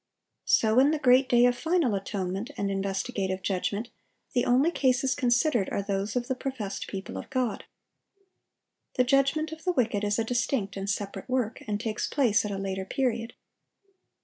So in the great day of final atonement and investigative judgment, the only cases considered are those of the professed people of God. The judgment of the wicked is a distinct and separate work, and takes place at a later period.